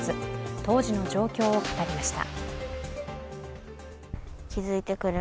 当時の状況を語りました。